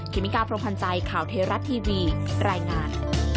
เมกาพรมพันธ์ใจข่าวเทราะทีวีรายงาน